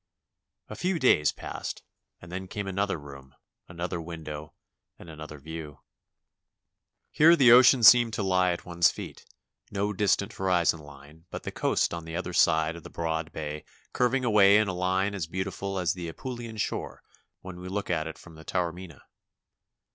A few days passed and then came another room, another window, and another view. Here the ocean seemed to lie at one's feet; no distant horizon Hne but the coast on the other side of the broad bay curving away in a line as beautiful as the Apulian shore when we look at it from Taormina.